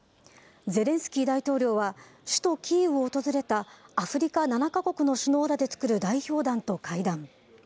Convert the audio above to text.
ゼレンスキー大統領は首都キーウを訪れたアフリカ７か国の首脳らで作る代表団と会談。